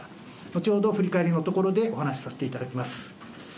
後ほど振り返りのところでお話させていただきます。